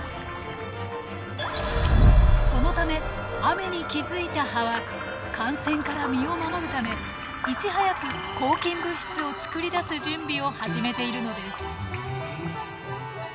そのため雨に気付いた葉は感染から身を守るためいち早く抗菌物質を作り出す準備を始めているのです。